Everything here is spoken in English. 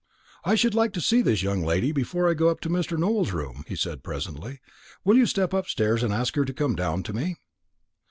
"I should like to see this young lady before I go up to Mr. Nowell's room," he said presently. "Will you step upstairs and ask her to come down to me?"